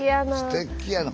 すてきやな。